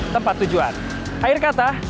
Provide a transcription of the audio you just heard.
tempat tujuan akhir kata